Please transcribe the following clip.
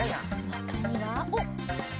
ほかにはおっ！